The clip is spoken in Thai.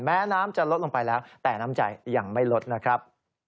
แม้น้ำจะลดลงไปแล้วแต่น้ำใจยังไม่ลดนะครับ